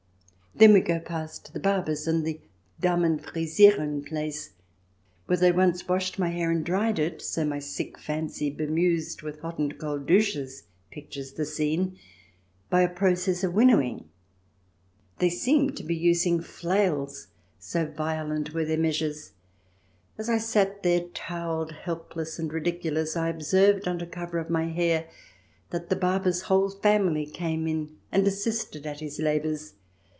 Then we go past the barber's and the Damen Frisiren place, where they once washed my hair and dried it — so my sick fancy, bemused with hot and cold douches, pictures the scene — by a process of winnowing. They seemed to be using flails, so violent were their measures. As I sat there, towelled, helpless, and ridiculous, I observed, under cover of my hair, that the barber's whole family came in and assisted at his labours.